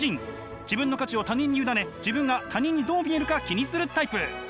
自分の価値を他人に委ね自分が他人にどう見えるか気にするタイプ。